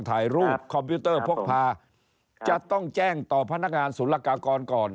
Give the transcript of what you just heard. ถ่ายรูปคอมพิวเตอร์พกภาคจะต้องแจ้งต่อพนักงานสุรกากรก่อนก่อน